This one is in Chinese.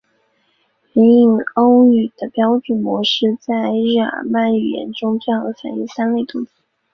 原印欧语的标准模式在日耳曼语言中最好的反映为三类动词。